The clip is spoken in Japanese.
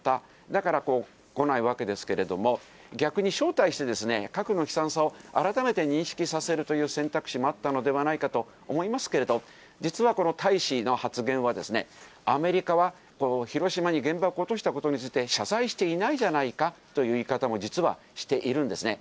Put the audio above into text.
だから来ないわけですけれども、逆に招待して、核の悲惨さを改めて認識させるという選択肢もあったのではないかと思いますけれども、実はこの大使の発言はですね、アメリカは広島に原爆を落としたことについて謝罪していないじゃないかという言い方も実はしているんですね。